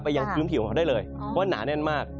ยังพื้นผิวของเขาได้เลยเพราะว่าหนาแน่นมาก